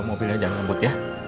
mobilnya jangan lembut ya